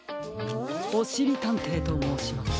おしりたんていともうします。